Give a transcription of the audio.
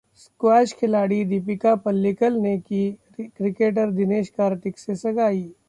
squash खिलाड़ी दीपिका पल्लिकल ने की क्रिकेटर दिनेश कार्तिक से सगाई